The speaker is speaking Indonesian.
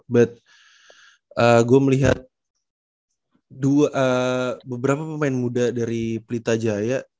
but gue melihat beberapa pemain muda dari pelita jaya